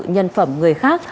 nhân phẩm người khác